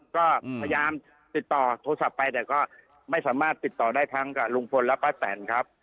ก็พยายามติดต่อโทรศัพท์ไปแต่ก็ไม่สามารถติดต่อได้ทั้งกับลุงพลและป้าแตนครับ